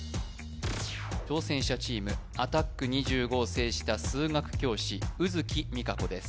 挑戦者チーム「アタック２５」を制した数学教師卯月美佳子です